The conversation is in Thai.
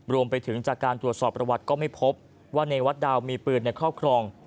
รวมไปถึงจากการตรวจสอบประวัติก็ไม่พบว่าเนวัดดาวมีปืนในครอบครอง